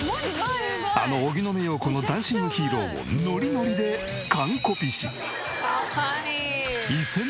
あの荻野目洋子の『ダンシング・ヒーロー』をノリノリで完コピし。